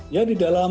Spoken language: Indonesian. ya di dalam